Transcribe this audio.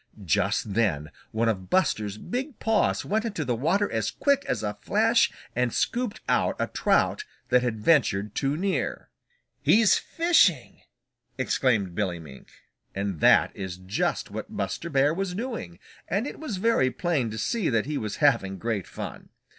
Just then one of Buster's big paws went into the water as quick as a flash and scooped out a trout that had ventured too near. "He's fishing!" exclaimed Billy Mink. And that is just what Buster Bear was doing, and it was very plain to see that he was having great fun.